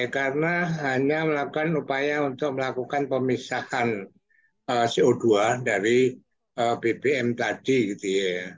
karena hanya melakukan upaya untuk melakukan pemisahan co dua dari bbm tadi